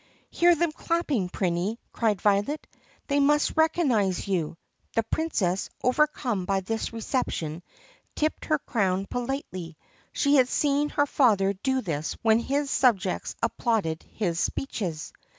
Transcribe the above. "Hear them clapping, Prinny!" cried Violet. "They must recognize you." The Princess, overcome by this reception, tipped her crown politely. She had seen her father do this when his subjects applauded his speeches.